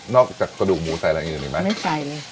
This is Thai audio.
นอกจากกระดูกหมูใส่อะไรอีกมั้ยไม่ใส่เลย